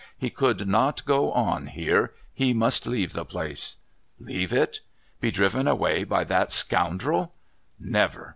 He could not go on here; he must leave the place. Leave it? Be driven away by that scoundrel? Never!